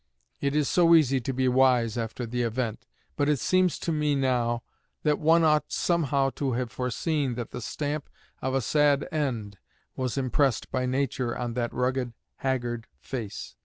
It is so easy to be wise after the event; but it seems to me now that one ought somehow to have foreseen that the stamp of a sad end was impressed by nature on that rugged, haggard face.